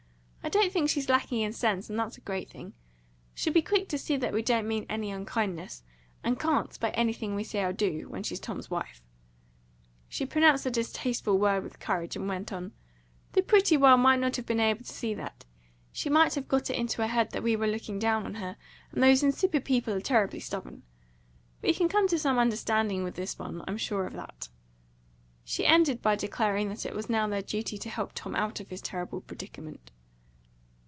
I don't think she's lacking in sense, and that's a great thing. She'll be quick to see that we don't mean unkindness, and can't, by anything we say or do, when she's Tom's wife." She pronounced the distasteful word with courage, and went on: "The pretty one might not have been able to see that. She might have got it into her head that we were looking down on her; and those insipid people are terribly stubborn. We can come to some understanding with this one; I'm sure of that." She ended by declaring that it was now their duty to help Tom out of his terrible predicament.